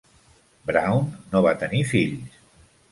Brown no va tenir fills.